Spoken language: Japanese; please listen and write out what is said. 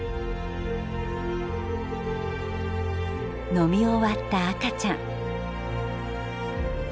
飲み終わった赤ちゃん。